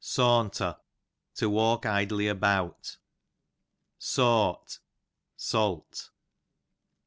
Sawuter, to walk idly about. Sawt, salt.